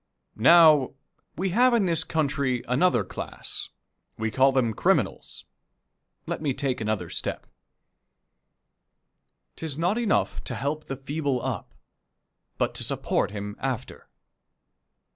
Now, we have in this country another class. We call them "criminals." Let me take another step: "'Tis not enough to help the feeble up, But to support him after."